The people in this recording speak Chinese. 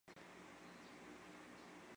新能源电力系统国家重点实验室简介